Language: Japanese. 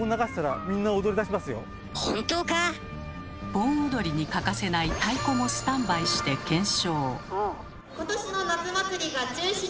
盆踊りに欠かせない太鼓もスタンバイして検証。